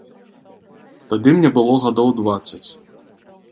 Тады мне было гадоў дваццаць.